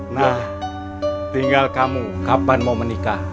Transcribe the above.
nah tinggal kamu kapan mau menikah